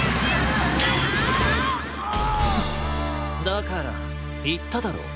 だからいっただろう。